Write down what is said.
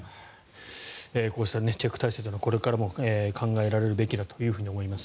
こうしたチェック体制はこれからも考えられるべきだと思います。